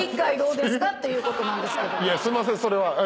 すいませんそれは。